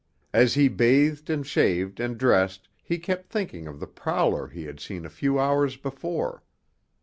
As he bathed and shaved and dressed he kept thinking of the prowler he had seen a few hours before.